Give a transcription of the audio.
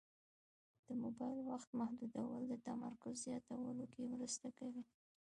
د موبایل وخت محدودول د تمرکز زیاتولو کې مرسته کوي.